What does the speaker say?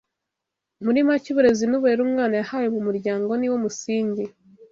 Muri make uburezi n’uburere umwana yahawe mu muryango ni wo musingi